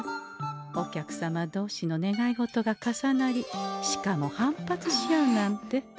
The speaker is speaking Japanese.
お客様同士の願い事が重なりしかも反発し合うなんて。